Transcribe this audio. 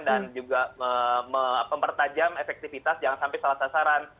dan juga mempertajam efektivitas jangan sampai salah sasaran